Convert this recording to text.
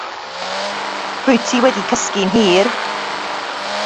Rwyt ti wedi cysgu'n hir.